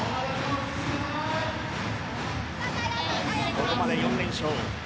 ここまで４連勝。